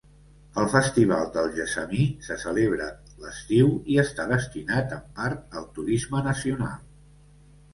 El festival del gessamí se celebra l'estiu i està destinat en part al turisme nacional.